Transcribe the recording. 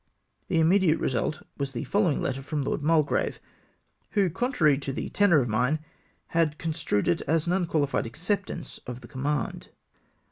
The immediate result was the following letter from Lord Mulgrave, who, contrary to the tenour of mine, had construed it mto an unquaUfied acceptance of the command.